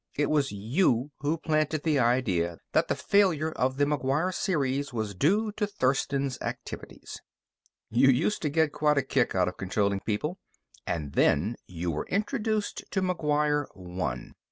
It was you who planted the idea that the failure of the McGuire series was due to Thurston's activities. "You used to get quite a kick out of controlling people. And then you were introduced to McGuire One.